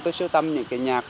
tôi sưu tâm những cái nhạc